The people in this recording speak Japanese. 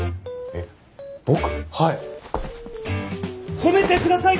褒めて下さい！